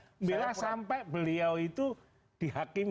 membela sampai beliau itu dihakimi